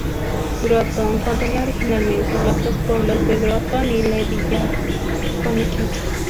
Groton contenía originalmente los dos pueblos de Groton y Ledyard, Connecticut.